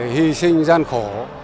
hy sinh gian khổ